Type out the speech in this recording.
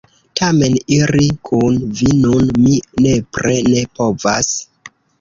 Tamen, iri kun vi nun mi nepre ne povas.